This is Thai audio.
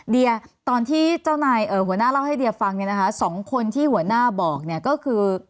เดียตอนที่เจ้านายหัวหน้าเล่าให้เดียฟังเนี่ยนะคะสองคนที่หัวหน้าบอกเนี่ยก็คือ